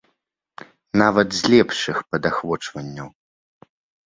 Нават з лепшых падахвочванняў.